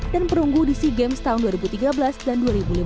dan perunggu di sea games tahun dua ribu tiga belas dan dua ribu lima belas